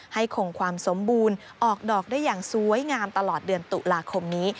คงความสมบูรณ์ออกดอกได้อย่างสวยงามตลอดเดือนตุลาคมนี้